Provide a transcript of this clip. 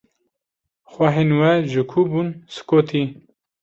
Xwehên we ji ku bûn? "Skotî."